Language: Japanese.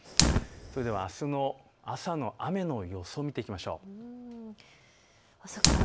それではあすの朝の雨の予想を見ていきましょう。